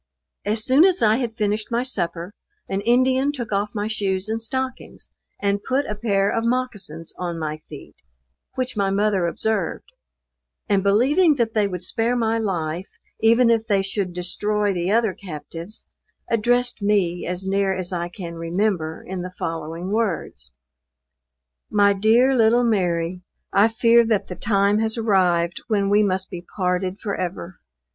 As soon as I had finished my supper, an Indian took off my shoes and stockings and put a pair of moccasins on my feet, which my mother observed; and believing that they would spare my life, even if they should destroy the other captives, addressed me as near as I can remember in the following words: "My dear little Mary, I fear that the time has arrived when we must be parted forever.